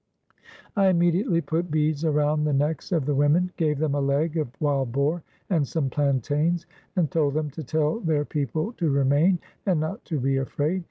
I immediately put beads around the necks of the women, gave them a leg of wild boar and some plantains, and told them to tell their people to remain, and not to be afraid.